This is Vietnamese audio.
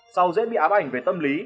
sau dễ bị áp ảnh về tâm lý